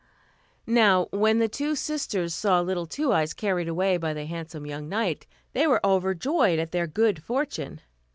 Now, when the two sisters saw little Two Eyes carried away by the handsome young knight, they were overjoyed at their good fortune.